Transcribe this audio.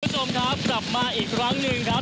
คุณผู้ชมครับกลับมาอีกครั้งหนึ่งครับ